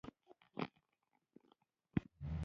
بویه که بل ته درد ویل زړه سپکوي.